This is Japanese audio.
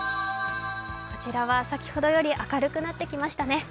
こちらは先ほどより明るくなってきましたね。